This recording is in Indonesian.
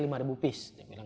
selalu itu yang diingatkan ya